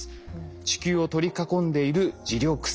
地球を取り囲んでいる磁力線。